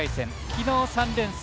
昨日、３連戦。